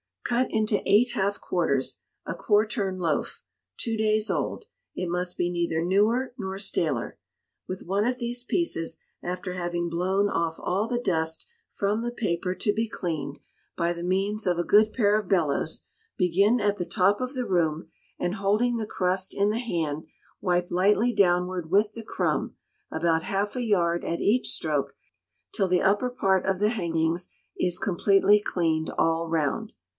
Cut into eight half quarters a quartern loaf, two days old; it must be neither newer nor staler. With one of these pieces, after having blown off all the dust from the paper to be cleaned, by the means of a good pair of bellows, begin at the top of the room, and, holding the crust in the hand, wipe lightly downward with the crumb, about half a yard at each stroke, till the upper part of the hangings is completely cleaned all round.